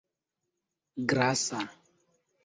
grasa